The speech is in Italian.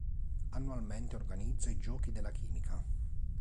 Annualmente organizza i Giochi della chimica.